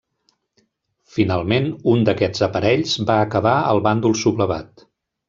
Finalment un d'aquests aparells va acabar al bàndol sublevat.